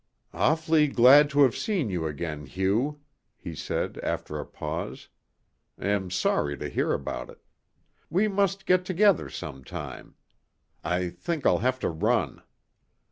"Awf'ly glad to have seen you again, Hugh," he said after a pause. "Am sorry to hear about it. We must get together sometime. I think I'll have to run."